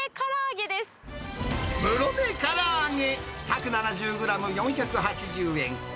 室根からあげ、１７０グラム４８０円。